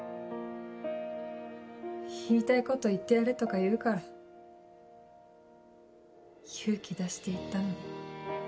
言いたいこと言ってやれとか言うから勇気出して行ったのに。